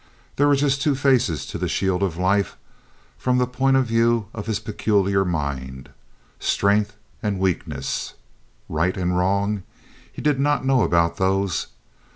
There were just two faces to the shield of life from the point of view of his peculiar mind strength and weakness. Right and wrong? He did not know about those.